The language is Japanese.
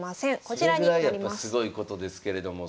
それぐらいすごいことですけれども。